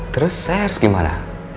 terus saya harus gimana